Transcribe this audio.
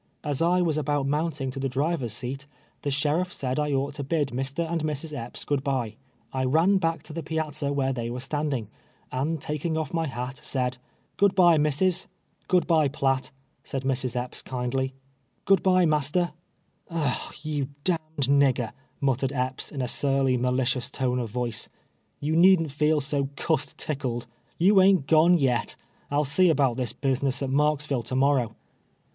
As I was about mounting to the driver's seat, the sheriff said I ought to bid Mr. and Mrs. Epps good bye. I ran back to the piazza where they were standing, and taking off my hat, said, "' Good bye, missis." " Good bye, Piatt," said Mrs. Epps, kindly. " Good bye, master." " Ah I you d — ^d nigger," muttered Epps, in a surly, 303 TWELVE YEAK3 A SLAATE. malicious tone of voice, " you needn't feel so cussed tickled — you ain't gone yet — I'll see about this busi ness at Marksville to morrow."